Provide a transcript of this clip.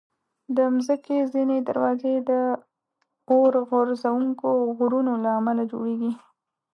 د مځکې ځینې دروازې د اورغورځونکو غرونو له امله جوړېږي.